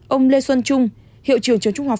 ông lê xuân trung hiệu trường trường trung học